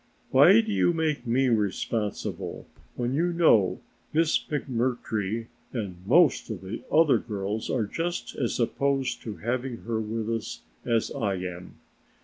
Why do you make me responsible when you know Miss McMurtry and most of the other girls are just as opposed to having her with us as I am?"